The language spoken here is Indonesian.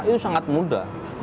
itu sangat mudah